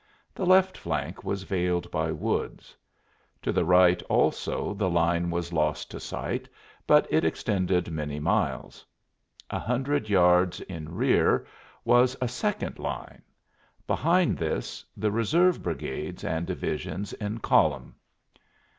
The left flank was veiled by woods; to the right also the line was lost to sight, but it extended many miles. A hundred yards in rear was a second line; behind this, the reserve brigades and divisions in column.